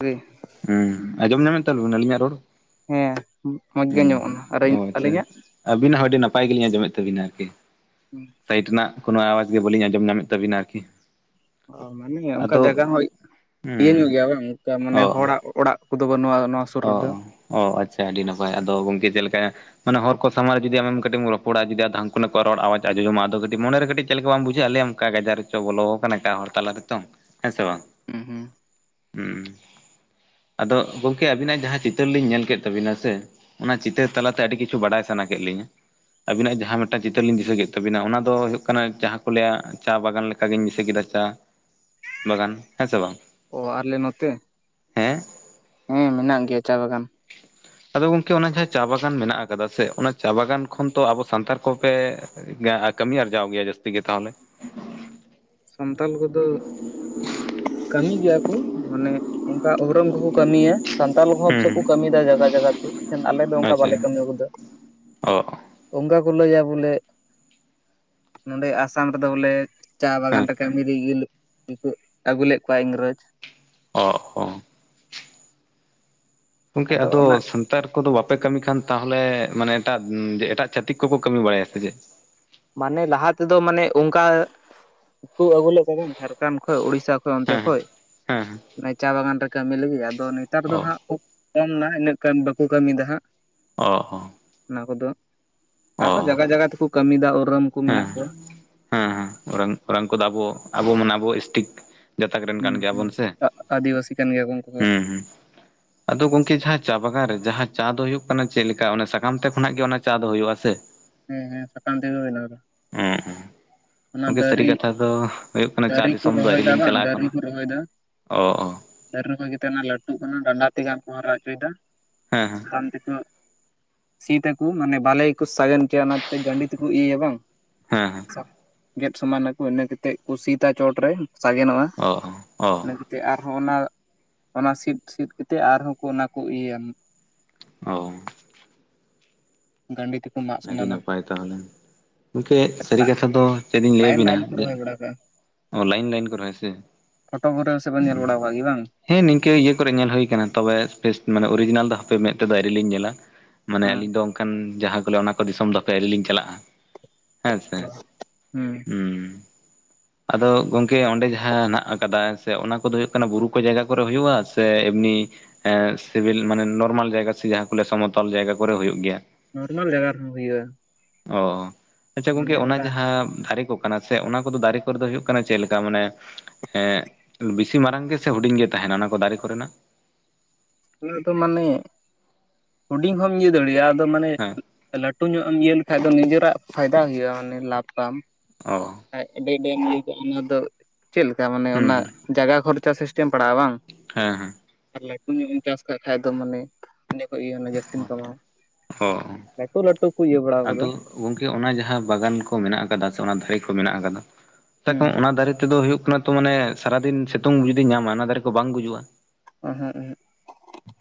ᱨᱮ [unintelligible] ᱦᱩᱸ, ᱟᱸᱡᱚᱢ ᱧᱟᱢᱮᱫ ᱛᱟᱞᱵᱮᱱ ᱟᱹᱞᱤᱧᱟᱜ ᱨᱚᱲ? ᱦᱮᱸ, ᱢᱚᱡᱽ ᱜᱮ ᱟᱸᱡᱚᱢᱚᱜ ᱠᱟᱱᱟ᱾ ᱟᱨ ᱟᱹᱞᱤᱧ-ᱟᱜ? ᱟᱹᱵᱤᱱᱟ ᱦᱚᱸ ᱟᱹᱰᱤ ᱱᱟᱯᱟᱭ ᱜᱮᱞᱤᱧ ᱟᱸᱡᱚᱢᱮᱫ ᱛᱟᱹᱵᱤᱱᱟ ᱟᱨ ᱠᱤ᱾ ᱦᱩᱸ ᱥᱟᱭᱤᱴ ᱨᱮᱱᱟᱜ ᱠᱳᱱᱳ ᱟᱣᱟᱡᱽ ᱜᱮ ᱵᱟᱹᱞᱤᱧ ᱟᱸᱡᱚᱢ ᱧᱟᱢᱮᱫ ᱛᱟᱵᱤᱱᱟ ᱟᱨ ᱠᱤ᱾ ᱚ ᱢᱟᱱᱮ ᱚᱱᱠᱟ ᱡᱟᱭᱜᱟ ᱦᱚᱸ ᱤᱭᱟᱹ ᱦᱩᱸ ᱧᱚᱜ ᱜᱮᱭᱟ ᱵᱟᱝ? ᱚᱱᱠᱟ ᱢᱟᱱᱮ ᱚ ᱦᱚᱲᱟᱜ ᱚᱲᱟᱜ ᱩᱱᱠᱩᱫᱚ ᱵᱟᱹᱱᱩᱜᱼᱟ ᱱᱚᱣᱟ ᱥᱩᱨ ᱚ, ᱨᱮᱫᱚ ᱚ, ᱟᱪᱪᱷᱟ ᱟᱹᱰᱤ ᱱᱟᱯᱟᱭ᱾ ᱟᱫᱚ ᱜᱚᱝᱠᱮ ᱪᱮᱫ ᱞᱮᱠᱟ᱾ ᱢᱟᱱᱮ ᱦᱚᱲ ᱠᱚ ᱥᱟᱢᱟᱝ ᱨᱮ ᱡᱩᱫᱤᱢ ᱠᱟᱴᱤᱡ ᱨᱚᱯᱚᱲᱟ᱾ ᱦᱟᱱᱠᱩ ᱱᱟᱠᱩᱣᱟᱜ ᱨᱚᱲ ᱟᱣᱟᱡᱽ ᱟᱡᱚᱢᱟ ᱟᱫᱚ ᱢᱚᱱᱮ ᱨᱮ ᱠᱟᱹᱴᱤᱡ ᱪᱮᱫ ᱞᱮᱠᱟ ᱵᱟᱢ ᱵᱩᱡᱷᱟ. ᱜᱼᱟ᱾ ᱞᱟᱹᱭ ᱟᱢ ᱚᱠᱟ ᱜᱟᱡᱟᱨ ᱨᱮᱪᱚ ᱵᱚᱞᱚ ᱠᱟᱱᱟᱭ, ᱚᱠᱟ ᱦᱚᱲ ᱛᱟᱞᱟ ᱨᱮ ᱪᱚᱝ ᱦᱮᱸ ᱥᱮ ᱵᱟᱝ᱾ ᱦᱩᱸ ᱦᱩᱸ ᱦᱩᱸ ᱟᱫᱚ [inaudible] ᱜᱚᱝᱠᱮ, ᱟᱵᱤᱱᱟᱜ ᱡᱟᱦᱟᱸ ᱪᱤᱛᱟᱹᱨ ᱞᱤᱧ ᱧᱮᱞ ᱠᱮᱫ ᱛᱟᱵᱤᱱᱟ ᱥᱮ, ᱚᱱᱟ ᱪᱤᱛᱟᱹᱨ ᱛᱟᱞᱟᱛᱮ ᱟᱹᱰᱤ ᱠᱤᱪᱷᱩ ᱵᱟᱰᱟᱭ ᱥᱟᱱᱟ ᱠᱮᱫ ᱞᱤᱧᱟ᱾ ᱟᱹᱵᱤᱱᱟᱜ ᱡᱟᱦᱟᱸ ᱢᱤᱫᱴᱟᱝ ᱪᱤᱛᱟᱹᱨ ᱞᱤᱧ ᱫᱤᱥᱟᱹ ᱠᱮᱫ ᱛᱟᱵᱤᱱᱟ᱾ ᱚᱱᱟ ᱫᱚ ᱦᱩᱭᱩᱜ ᱠᱟᱱᱟ ᱡᱟᱦᱟᱸ ᱠᱚ ᱞᱟᱹᱭᱟ ᱪᱟ ᱵᱟᱜᱟᱱ ᱞᱮᱠᱟ ᱚᱱᱠᱟ ᱜᱤᱧ ᱫᱤᱥᱟᱹ ᱠᱮᱫᱟ ᱾ ᱪᱟ ᱵᱟᱜᱟᱱ ᱦᱮᱸ ᱥᱮ ᱵᱟᱝ᱾ ᱚ ᱟᱞᱮ ᱱᱚᱛᱮ, ᱦᱮᱸ ᱦᱮᱸ ᱢᱮᱱᱟᱜ ᱜᱮᱭᱟ ᱪᱟ ᱵᱟᱜᱟᱱ᱾ ᱟᱫᱚ ᱜᱚᱝᱠᱮ, ᱚᱱᱟ ᱡᱟᱦᱟᱸ ᱪᱟ ᱵᱟᱜᱟᱱ ᱢᱮᱱᱟᱜ ᱟᱠᱟᱫᱟ ᱥᱮ ᱚᱱᱟ ᱪᱟ ᱵᱟᱜᱟᱱ ᱠᱷᱚᱱ ᱛᱚ ᱟᱵᱚ ᱥᱟᱱᱛᱟᱲ ᱠᱚ ᱯᱮ ᱠᱟᱹᱢᱤ ᱟᱨᱡᱟᱣ ᱜᱮᱭᱟ ᱡᱟᱹᱥᱛᱤ ᱜᱮ ᱛᱟᱦᱚᱞᱮ᱾ ᱥᱟᱱᱛᱟᱞ ᱠᱚᱫᱚ ᱠᱟᱹᱢᱤ ᱜᱮᱭᱟ ᱠᱚ ᱢᱟᱱᱮ ᱚᱱᱠᱟ ᱩᱨᱟᱝ ᱠᱚᱠᱚ ᱠᱟᱹᱢᱤᱭᱟ᱾ ᱥᱟᱱᱛᱟᱞ ᱦᱚᱲ ᱦᱩᱸ ᱥᱮᱫ ᱠᱚ, ᱠᱟᱹᱢᱤᱭ ᱫᱟ ᱡᱟᱭᱜᱟ ᱡᱟᱭᱜᱟ ᱛᱮ, ᱟᱞᱮ ᱫᱚ ᱦᱩᱸ ᱚᱱᱠᱟ ᱟᱪᱪᱷᱟ ᱵᱟᱞᱮ ᱠᱟᱹᱢᱤ ᱠᱟᱫᱟ᱾ ᱚ ᱚᱱᱠᱟ ᱠᱚ ᱞᱟᱹᱭᱟ ᱵᱚᱞᱮ, ᱱᱚᱸᱰᱮ ᱟᱥᱟᱢ ᱨᱮᱫᱚ ᱵᱚᱞᱮ ᱪᱟ ᱦᱮᱸ ᱵᱟᱜᱟᱱ ᱾ [inaudible] ᱟᱹᱜᱩ ᱞᱮᱫ ᱠᱚᱣᱟ ᱤᱝᱨᱮᱡᱽ᱾ ᱚ ᱦᱚᱸ [unintelligible] ᱜᱚᱝᱠᱮ ᱟᱫᱚ ᱥᱟᱱ ᱥᱟᱱᱛᱟᱲ ᱠᱚᱫᱚ ᱵᱟᱯᱮ ᱠᱟᱹᱢᱤ ᱠᱟᱱ ᱛᱟᱦᱚᱞᱮ ᱢᱟᱱᱮ ᱮᱴᱟᱜ, ᱮᱴᱟᱜ ᱪᱷᱟᱹᱛᱤᱠ ᱠᱚᱠᱚ ᱠᱟᱹᱢᱤ ᱵᱟᱲᱟᱭᱟ ᱥᱮ ᱪᱮᱫ? ᱢᱟᱱᱮ ᱞᱟᱦᱟ ᱛᱮᱫᱚ ᱢᱟᱱᱮ ᱚᱱᱠᱟ ᱠᱚ ᱟᱹᱜᱩᱞᱮᱜ ᱠᱚᱣᱟ ᱡᱷᱟᱲᱠᱷᱟᱱᱰ ᱠᱷᱚᱡ ᱩᱲᱤᱥᱟ ᱚᱱᱛᱮ ᱦᱮᱸ ᱠᱷᱚᱡ, ᱦᱮᱸ ᱦᱮᱸ ᱪᱟ ᱵᱟᱜᱟᱱ ᱨᱮ ᱠᱟᱹᱢᱤ ᱞᱟᱹᱜᱤᱫᱽ, ᱟᱫᱚ ᱱᱮᱛᱟᱨ ᱦᱮᱸ ᱫᱚ ᱚ ᱦᱟᱸᱜ ᱠᱚᱢ ᱱᱟ ᱤᱱᱟᱹᱜ ᱠᱟᱢ ᱵᱟᱠᱚ ᱠᱟᱹᱢᱤᱭ ᱫᱟ ᱦᱟᱸᱜ᱾ ᱚᱻ ᱚᱻ, ᱚᱱᱟ ᱠᱚᱫᱚ᱾ ᱟᱨᱦᱚᱸ ᱡᱟᱜᱟ ᱡᱟᱜᱟ ᱛᱮᱠᱚ ᱠᱟᱹᱢᱤᱭ ᱫᱟ ᱳᱨᱟᱝ ᱠᱚ ᱢᱮᱱᱟᱜ ᱦᱮᱸ ᱠᱚᱣᱟ᱾ ᱦᱮᱸ ᱦᱮᱸ ᱚᱨᱟᱝ, ᱚᱨᱟᱝ ᱠᱚᱫᱚ ᱟᱵᱚ ᱟᱵᱚ ᱢᱟᱱᱮ ᱟᱵᱚ ᱮᱥ ᱴᱤᱠ ᱜᱟᱛᱟᱠ ᱨᱮᱱ ᱦᱩᱸ ᱠᱟᱱ ᱜᱮᱭᱟ ᱦᱩᱸ ᱵᱚᱱ ᱥᱮ ᱟᱹᱫᱤᱵᱟᱹᱥᱤ ᱠᱟᱱ ᱜᱮᱭᱟ ᱠᱚ ᱩᱱᱠᱩ ᱦᱚᱸ ᱦᱩᱸ ᱦᱩᱸ᱾ ᱟᱫᱚ ᱜᱚᱝᱠᱮ ᱡᱟᱦᱟᱸ ᱪᱟ ᱵᱟᱜᱟᱱ ᱨᱮ, ᱡᱟᱦᱟᱸ ᱪᱟ ᱫᱚ ᱦᱳᱭᱳᱜ ᱠᱟᱱᱟ ᱪᱮᱫ ᱞᱮᱠᱟ᱾ ᱥᱟᱠᱟᱢ ᱛᱮ ᱠᱷᱚᱱᱟᱜ ᱜᱮ ᱚᱱᱟ ᱪᱟ ᱫᱚ ᱦᱳᱭ-ᱟ ᱥᱮ? ᱦᱮ, ᱦᱮᱸ ᱥᱟᱠᱟᱢ ᱛᱮᱜᱮ ᱦᱳᱭ-ᱟ ᱚᱱᱟ ᱫᱚ ᱾ ᱚᱸᱻ ᱚᱻ ᱜᱚᱝᱠᱮ ᱥᱟᱹᱨᱤ ᱠᱟᱛᱷᱟ ᱫᱚ ᱦᱳᱭᱳᱜ ᱠᱟᱱᱟ ᱾ ᱪᱟ ᱫᱟᱨᱮ ᱠᱚ ᱫᱤᱥᱚᱢ ᱫᱚ ᱟᱹᱣᱨᱤ ᱨᱚᱦᱚᱭᱮᱫᱟ ᱞᱤᱧ ᱵᱟᱝ ᱪᱟᱞᱟᱜ-ᱟ ᱮᱠᱷᱚᱱᱚ ᱾ ᱚᱻ ᱚᱻ, ᱫᱟᱹᱨᱮ ᱠᱚ ᱡᱟᱛᱮ ᱚᱱᱟ ᱞᱟᱹᱴᱩᱜ ᱠᱟᱱᱟ ᱰᱟᱱᱰᱟ ᱛᱮ ᱜᱟᱱ ᱠᱚ ᱦᱟᱨᱟ ᱦᱚᱪᱚᱭᱮᱫᱟ ᱾ ᱦᱮᱸᱻᱦᱮᱸᱻ, [inaudible] ᱛᱮ ᱠᱚ ᱥᱤᱫ ᱟᱠᱚ ᱾ ᱢᱟᱱᱮ ᱵᱟᱞᱟᱭ [inaudible] ᱠᱚ ᱥᱟᱜᱮᱱ ᱪᱮᱫ, ᱚᱱᱟᱛᱮ ᱜᱟᱺᱰᱤ ᱛᱮᱠᱚ ᱤᱭᱟᱹᱭᱟ ᱵᱟᱝ? ᱦᱮᱸᱻᱦᱮᱸᱻ ᱾ ᱜᱮᱫ ᱥᱚᱢᱟᱱ ᱟᱠᱚ ᱤᱱᱟᱹ ᱠᱟᱛᱮ ᱥᱤᱫ-ᱟ ᱪᱚᱴ ᱨᱮ, ᱥᱟᱜᱮᱱᱚᱜᱼᱟ᱾ ᱚ, ᱻ ᱚᱻ᱾ ᱤᱱᱟᱹ ᱠᱟᱛᱮ ᱟᱨᱦᱚᱸ ᱚᱱᱟ, ᱚᱱᱟ ᱥᱤᱫ ᱥᱤᱫ ᱠᱟᱛᱮ ᱮᱫ ᱟᱨᱦᱚᱸ ᱠᱚ ᱚᱱᱟ ᱠᱚ ᱤᱭᱟᱹ ᱭᱟ ᱚᱻ ᱜᱟᱸᱰᱤ ᱛᱮᱠᱚ ᱢᱟᱜ ᱟᱹᱰᱤ ᱥᱚᱢᱟᱱᱟ ᱱᱟᱯᱟᱭ ᱛᱟᱦᱚᱞᱮ, ᱜᱚᱢᱠᱮ ᱥᱟᱹᱨᱤ ᱠᱟᱛᱷᱟ ᱫᱚ ᱪᱮᱫ ᱞᱤᱧ ᱞᱟᱹᱭ ᱞᱟᱭᱤᱱ ᱟᱵᱤᱱᱟ ᱞᱟᱭᱤᱱ ᱠᱚ ᱡᱮ ᱨᱚᱦᱚᱭ ᱵᱟᱲᱟ ᱠᱟᱜᱼᱟ ᱚ ᱞᱟᱭᱤᱱ ᱞᱟᱭᱤᱱ ᱠᱚ ᱨᱭᱚᱦᱚᱭᱟ ᱥᱮ? ᱯᱷᱳᱴᱳ ᱠᱚᱨᱮ ᱥᱮᱵᱮᱱ ᱧᱮᱞ ᱵᱟᱲᱟ ᱠᱟᱜ ᱜᱮᱭᱟ ᱵᱟᱝ? ᱱᱤᱱᱠᱟᱹ ᱤᱭᱟᱹ ᱠᱚᱨᱮ ᱧᱮᱞ ᱦᱩᱭ ᱠᱟᱱᱟ ᱛᱚᱵᱮ, ᱯᱷᱮᱥ ᱢᱟᱱᱮ ᱚᱨᱤᱡᱤᱱᱟᱞ ᱫᱚ ᱦᱟᱯᱮ ᱢᱮᱫ ᱛᱮ ᱫᱚ ᱟᱣᱨᱤᱞᱤᱧ ᱧᱮᱞᱟ ᱾ ᱢᱟᱱᱮ ᱦᱮᱸ ᱟᱹᱞᱤᱧ ᱫᱚ ᱚᱱᱠᱟᱱ ᱡᱟᱦᱟᱸ ᱠᱚ ᱞᱮᱭᱟ ᱚᱱᱟ ᱠᱚ ᱫᱤᱥᱚᱢ ᱫᱚ ᱦᱟᱯᱮ ᱟᱹᱣᱨᱤᱞᱤᱧ ᱪᱟᱞᱟᱜᱼᱟ ᱾ ᱦᱮᱸ ᱥᱮ ᱦᱩᱸ᱾ ᱦᱩᱸ᱾ ᱟᱫᱚ ᱜᱚᱝᱠᱮ ᱚᱸᱰᱮ ᱡᱟᱦᱟᱸ ᱦᱮᱱᱟᱜ ᱟᱠᱟᱫᱟ ᱦᱮᱸᱥᱮ ᱚᱱᱟ ᱠᱚᱫᱚ ᱦᱳᱭᱳᱜ ᱠᱟᱱᱟ ᱵᱩᱨᱩ ᱠᱚ ᱡᱟᱭᱜᱟ ᱠᱚᱨᱮ ᱦᱩᱭᱩᱜᱼᱟ ᱥᱮ? ᱥᱮ ᱮᱢᱱᱤ ᱥᱤᱵᱤᱞ ᱢᱟᱱᱮ ᱱᱚᱨᱢᱟᱞ ᱡᱟᱭᱜᱟ ᱥᱮ ᱡᱟᱦᱟᱸ ᱠᱚ ᱞᱮᱭᱟ ᱥᱚᱢᱚᱛᱚᱞ ᱡᱟᱭᱜᱟ ᱠᱚᱨᱮ ᱦᱳᱭᱳᱜ ᱜᱮᱭᱟ? ᱱᱚᱨᱢᱟᱞ ᱡᱟᱭᱜᱟ ᱨᱮᱦᱚᱸ ᱦᱩᱭᱩᱜᱼᱟ ᱚ ᱟᱪᱷᱟ ᱜᱚᱝᱠᱮ ᱢᱟᱱᱮ ᱚᱱᱟ ᱚᱱᱠᱟ ᱡᱟᱦᱟᱸ ᱫᱟᱨᱮ ᱠᱚ ᱠᱟᱱᱟ ᱥᱮ ᱚᱱᱟ ᱠᱚᱫᱚ ᱫᱟᱨᱮ ᱠᱚᱨᱮ ᱫᱚ ᱦᱩᱭᱩᱜ ᱠᱟᱱᱟ ᱪᱮᱫ ᱞᱮᱠᱟ ᱢᱟᱱᱮ ᱦᱮᱸ ᱵᱤᱥᱤ ᱢᱟᱨᱟᱝ ᱜᱮᱥᱮ, ᱦᱩᱰᱤᱧ ᱜᱮ ᱛᱟᱦᱮᱸᱱᱟ ᱚᱱᱟ ᱠᱚ ᱫᱟᱨᱮ ᱠᱚᱨᱮᱱᱟᱜ? ᱚᱱᱟ ᱫᱚ ᱢᱟᱱᱮ ᱦᱩᱰᱤᱧ ᱦᱚᱢ ᱤᱭᱟᱹ ᱫᱟᱲᱮᱭᱟᱜᱼᱟ ᱟᱫᱚ ᱢᱟᱱᱮ ᱦᱮᱸ ᱞᱟᱹᱴᱩ ᱧᱚᱜ ᱮᱢ ᱤᱭᱟᱹ ᱞᱮᱠᱷᱟᱡ ᱫᱚ ᱱᱤᱡᱮᱨᱟᱜ ᱯᱷᱟᱭᱫᱟ ᱦᱳᱭᱳᱜᱼᱟ, ᱢᱟᱱᱮ ᱞᱟᱵᱷᱚ ᱛᱟᱢ ᱾ ᱚᱻ, ᱟᱹᱰᱤ ᱟᱹᱰᱤᱢ ᱞᱟᱹᱭ ᱠᱮᱜ ᱚᱱᱟ ᱫᱚ ᱪᱮᱫ ᱞᱮᱠᱟ, ᱢᱟᱱᱮ ᱦᱩᱸ ᱚᱱᱟ ᱡᱟᱭᱜᱟ ᱠᱷᱚᱨᱪᱟ ᱥᱤᱥᱴᱮᱢ ᱯᱟᱲᱟᱜᱼᱟ ᱵᱟᱝ? ᱦᱮᱸᱻᱦᱮᱸᱻ ᱾ ᱟᱨ ᱞᱟᱹᱴᱩ ᱧᱚᱜ ᱮᱢ ᱪᱟᱥ ᱠᱟᱜ ᱠᱷᱟᱡ ᱫᱚ ᱢᱟᱱᱮ ᱤᱱᱟᱹ ᱠᱷᱚᱡ ᱜᱮ ᱡᱟᱹᱥᱛᱤᱢ ᱠᱟᱢᱟᱣᱟ ᱦᱚ ᱾ ᱞᱟᱹᱴᱩ ᱞᱟᱹᱴᱩ ᱠᱚ ᱤᱭᱟᱹ ᱵᱟᱲᱟᱣ ᱠᱟᱫᱟ ᱟᱫᱚ ᱾ ᱜᱚᱝᱠᱮ ᱚᱱᱟ ᱡᱟᱦᱟᱸ ᱵᱟᱜᱟᱱ ᱠᱚ ᱢᱮᱱᱟᱜ ᱟᱠᱟᱫᱟ ᱥᱮ ᱚᱱᱟ ᱫᱟᱹᱭ ᱠᱚ ᱢᱮᱱᱟᱜ ᱟᱠᱟᱫᱟ ᱾ ᱦᱮᱸ [inaudible] ᱚᱱᱟ ᱫᱟᱨᱮ ᱛᱮᱫᱚ ᱦᱩᱭᱩᱜ ᱠᱟᱱᱟ ᱛᱚ ᱢᱟᱱᱮ ᱥᱟᱨᱟᱫᱤᱱ ᱥᱤᱛᱩᱝ ᱡᱩᱫᱤ ᱧᱟᱢᱟ ᱚᱱᱟ ᱫᱟᱨᱮ ᱠᱚ ᱵᱟᱝ ᱜᱩᱡᱩᱜᱼᱟ? ᱮᱦᱮᱸᱜ ᱮᱦᱮᱸᱜ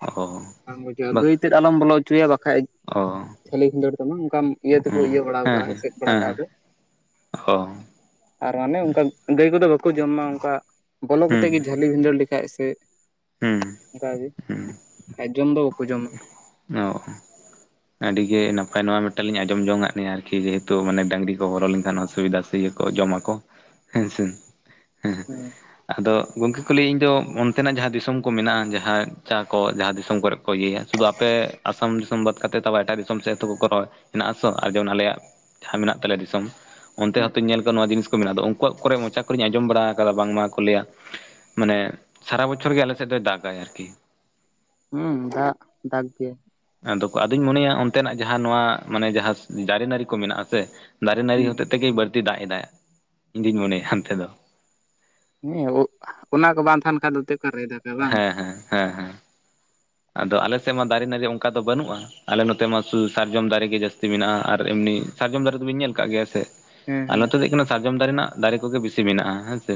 ᱚ ᱵᱟᱝ ᱵᱩᱡᱩᱜᱼᱟ ᱵᱟ ᱜᱟᱹᱭ ᱛᱮᱫ ᱟᱞᱚᱢ ᱵᱚᱞᱚ ᱦᱚᱪᱚᱣᱟᱭᱟ ᱵᱟᱠᱷᱟᱡᱽ ᱾ ᱚ [unintelligible] ᱡᱷᱟᱹᱞᱤ ᱵᱷᱤᱫᱷᱟᱹᱲ ᱫᱚ ᱵᱟᱝ ᱚᱱᱠᱟᱱ ᱤᱭᱟᱹ ᱛᱮᱠᱚ ᱦᱩᱸ ᱤᱭᱟᱹ ᱵᱟᱲ ᱠᱟᱜᱼᱟ ᱦᱮᱸ ᱦᱮᱸ ᱮᱥᱮᱫ ᱵᱟᱲᱟ ᱦᱮᱸ ᱠᱟᱜᱼᱟ ᱦᱮᱸ ᱠᱚ ᱚ ᱾ ᱟᱨ ᱦᱟᱱᱮ ᱚᱱᱠᱟ ᱜᱟᱹᱭ ᱠᱚᱫᱚ ᱵᱟᱠᱚ ᱡᱚᱢᱟ ᱚᱱᱠᱟ ᱵᱚᱞᱚ ᱠᱟᱛᱮᱫ ᱦᱩᱸ ᱜᱮ ᱡᱷᱟᱹᱞᱤ ᱵᱷᱤᱸᱫᱷᱟᱹᱲ ᱞᱮᱠᱷᱟᱡ ᱥᱮ ᱦᱩᱸ ᱾ ᱚᱱᱠᱟᱜᱮ ᱠᱷᱟᱡ ᱡᱚᱢ ᱫᱚ ᱵᱟᱠᱚ ᱡᱚᱢᱟ ᱾ ᱚ ᱾ ᱟᱹᱰᱤ ᱜᱮ ᱱᱟᱯᱟᱭ ᱱᱚᱣᱟ ᱢᱤᱫᱴᱟᱝ ᱞᱤᱧ ᱟᱸᱡᱚᱢ ᱡᱚᱝ ᱟᱜ ᱱᱤᱜᱼᱟ ᱟᱨᱠᱤ ᱡᱮᱦᱮᱛᱩ ᱢᱟᱱᱮ ᱰᱟᱝᱨᱤ ᱠᱚ ᱵᱚᱞᱚ ᱞᱮᱱᱠᱷᱟᱱ ᱚᱥᱩᱵᱤᱫᱷᱟ ᱥᱮ ᱤᱭᱟᱹ ᱠᱚ ᱡᱚᱢᱟ ᱠᱚ ᱦᱮᱸ ᱥᱮ ᱦᱮᱸ ᱦᱩᱸ ᱾ ᱟᱫᱚ ᱜᱚᱢᱠᱮ ᱠᱚ ᱞᱟᱹᱭᱟ ᱤᱧ ᱫᱚ ᱚᱱᱛᱮᱱᱟᱜ ᱡᱟᱦᱟᱸ ᱫᱤᱥᱚᱢ ᱠᱚ ᱢᱮᱱᱟᱜᱼᱟ ᱡᱟᱦᱟᱸ ᱪᱟ ᱠᱚ ᱡᱟᱦᱟᱸ ᱫᱤᱥᱚᱢ ᱠᱚᱨᱮ ᱤᱭᱟᱹᱭᱟ ᱥᱩᱫᱩ ᱟᱯᱮ ᱟᱥᱟᱢ ᱫᱤᱥᱚᱢ ᱵᱟᱫ ᱠᱟᱛᱮᱫ [unintelligible] ᱮᱴᱟᱜ ᱫᱤᱥᱚᱢ ᱥᱮᱫ ᱛᱚ ᱠᱚᱨᱟᱣᱼᱟ ᱦᱮᱱᱟᱜ ᱟᱥᱚ ᱟᱨ ᱡᱮᱢᱚᱱ ᱟᱞᱮᱭᱟᱜ ᱡᱟᱦᱟᱸ ᱢᱮᱱᱟᱜ ᱛᱟᱞᱮᱭᱟ ᱫᱤᱥᱚᱢ ᱚᱱᱛᱮ ᱦᱚᱸᱛᱚᱧ ᱧᱮᱞ ᱠᱟᱫᱟ ᱱᱚᱣᱟ ᱡᱤᱱᱤᱥ ᱠᱚ ᱢᱮᱱᱟᱜ ᱟᱫᱚ ᱟᱠᱚᱣᱟᱜ ᱠᱚᱨᱮ ᱢᱚᱪᱟ ᱠᱚᱨᱮᱧ ᱟᱸᱡᱚᱢ ᱵᱟᱲᱟ ᱠᱟᱫᱟ ᱵᱟᱝᱢᱟ ᱠᱚ ᱞᱟᱹᱭᱟ ᱢᱟᱱᱮ ᱥᱟᱨᱟ ᱵᱚᱪᱷᱚᱨ ᱜᱮ ᱟᱞᱮ ᱥᱮᱫ ᱫᱚᱭ ᱫᱟᱜᱟᱭ ᱟᱨᱠᱤ ᱦᱩᱸ ᱫᱟᱜ ᱫᱟᱜᱽ ᱜᱮᱭᱟ ᱾ ᱟᱫᱚ ᱟᱫᱚᱧ ᱢᱚᱱᱮᱭᱟ ᱚᱱᱛᱮᱱᱟᱜ ᱡᱟᱦᱟᱸ ᱱᱚᱣᱟ ᱢᱟᱱᱮ ᱡᱟᱦᱟᱸ ᱫᱟᱨᱮ ᱱᱟᱹᱲᱤ ᱠᱚ ᱢᱮᱱᱟᱜᱼᱟ ᱥᱮ ᱫᱟᱨᱮ ᱱᱟᱹᱲᱤ ᱦᱚᱛᱮᱫ ᱛᱮᱜᱮᱭ ᱵᱟᱹᱲᱛᱤ ᱫᱟᱜ ᱮᱫᱟᱭ ᱤᱧ ᱫᱩᱧ ᱢᱚᱱᱮᱭᱟ ᱦᱟᱱᱛᱮ ᱫᱚ ᱦᱮᱸ ᱚᱱᱟ ᱠᱚ ᱵᱟᱝ ᱛᱟᱦᱮᱱ ᱠᱷᱟᱱ ᱫᱚ ᱛᱮ ᱚᱠᱟᱨᱮᱭ ᱫᱟᱜ ᱦᱮᱸ ᱦᱮᱸ ᱦᱮᱸ ᱾ ᱟᱫᱚ ᱟᱞᱮᱥᱮᱫ ᱢᱟ ᱫᱟᱨᱮ ᱱᱟᱹᱲᱤ ᱚᱱᱠᱟ ᱫᱚ ᱵᱟᱹᱱᱩᱜᱼᱟ ᱾ ᱟᱞᱮ ᱱᱚᱛᱮ ᱢᱟ ᱥᱩᱫᱷᱩ ᱥᱟᱨᱡᱚᱢ ᱫᱟᱨᱮ ᱜᱮ ᱡᱟᱹᱥᱛᱤ ᱢᱮᱱᱟᱜᱼᱟ ᱟᱨ ᱮᱢᱱᱤ ᱥᱟᱨᱡᱚᱢ ᱫᱟᱨᱮ ᱫᱚᱵᱤᱱ ᱧᱮᱞ ᱠᱟᱜ ᱜᱮᱭᱟ ᱥᱮ? ᱦᱮᱸ ᱟᱨ ᱦᱮᱸ ᱱᱚᱛᱮ ᱫᱚ ᱦᱩᱭᱩᱜ ᱠᱟᱱᱟ ᱥᱟᱨᱡᱚᱢ ᱫᱟᱨᱮ ᱨᱮᱱᱟᱜ ᱫᱟᱨᱮ ᱠᱚᱜᱮ ᱵᱮᱥᱤ ᱢᱮᱱᱟᱜᱼᱟ ᱦᱮᱸ ᱥᱮ